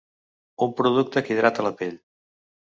Un producte que hidrata la pell.